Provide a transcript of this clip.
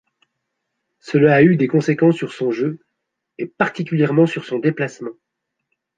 Cela a eu des conséquences sur son jeu et particulièrement sur son déplacement.